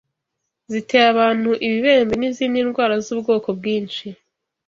zitera abantu ibibembe n’izindi ndwara z’ubwoko bwinshi